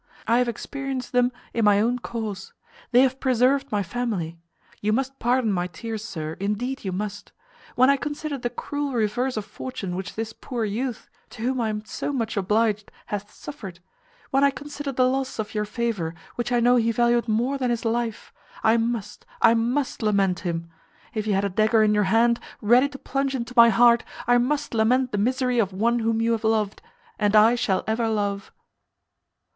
I have experienced them in my own cause. They have preserved my family. You must pardon my tears, sir, indeed you must. When I consider the cruel reverse of fortune which this poor youth, to whom I am so much obliged, hath suffered; when I consider the loss of your favour, which I know he valued more than his life, I must, I must lament him. If you had a dagger in your hand, ready to plunge into my heart, I must lament the misery of one whom you have loved, and I shall ever love."